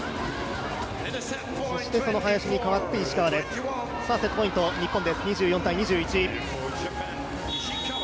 そして、林に代わって石川ですセットポイント日本２４−２１。